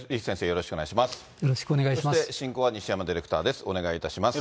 よろしくお願いします。